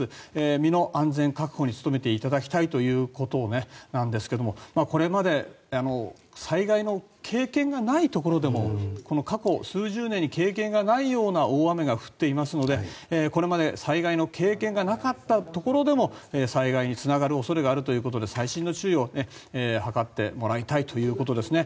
身の安全確保に努めていただきたいということですがこれまで災害の経験がないところでも過去数十年に経験がないような大雨が降っていますのでこれまで災害の経験がなかったところでも災害につながる恐れがあるということで細心の注意を図ってもらいたいということですね。